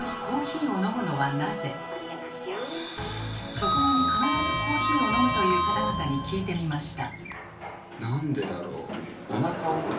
食後に必ずコーヒーを飲むという方々に聞いてみました。